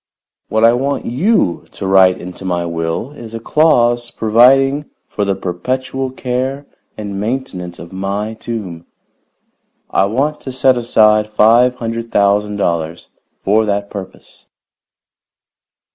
What I want you to write into my will is a clause providing for the perpetual care and maintenance of my tomb. I want to set aside five hundred thousand dollars for that purpose."